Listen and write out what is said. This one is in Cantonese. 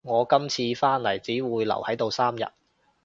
我今次返嚟只會留喺度三日